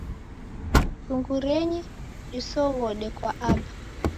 Tungurenyi disoghode kwa Aba.